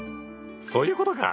そういうことか！